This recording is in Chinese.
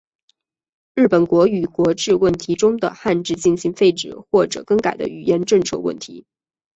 日本国语国字问题中的汉字进行废止或者更改的语言政策问题。